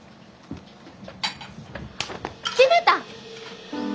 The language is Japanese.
決めた！